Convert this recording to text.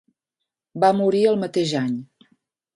Va morir el mateix any.